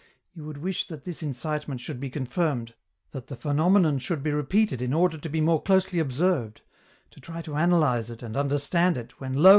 You would wish that this incitement should be confirmed, that the phenomenon should be repeated in order to be more closely observed, to try to analyze it and under stand it. when lo